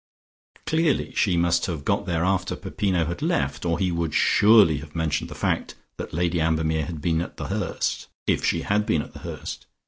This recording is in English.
Clearly she must have got there after Peppino had left, or he would surely have mentioned the fact that Lady Ambermere had been at The Hurst, if she had been at The Hurst.